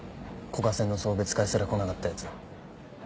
古賀センの送別会すら来なかったやつ。